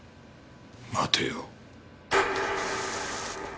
待てよ。